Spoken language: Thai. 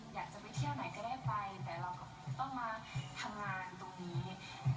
อยากจะไปเที่ยวไหนก็ได้ไปแต่เราต้องมาทำงานตรงนี้